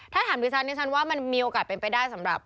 ถ้าถามดิฉันดิฉันว่ามันมีโอกาสเป็นไปได้สำหรับ